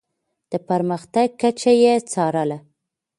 د پرمختګ کچه يې څارله.